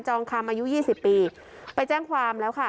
องคำอายุยี่สิบปีไปแจ้งความแล้วค่ะ